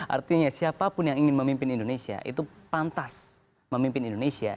artinya siapapun yang ingin memimpin indonesia itu pantas memimpin indonesia